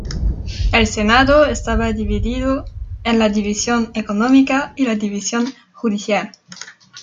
El Senado estaba dividido en la división económica y la división judicial.